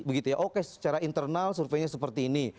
begitu ya oke secara internal surveinya seperti ini